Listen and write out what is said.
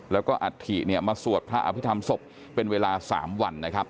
แล้วก็อัฐิเนี่ยมาสวดพระอภิษฐรรมศพเป็นเวลา๓วันนะครับ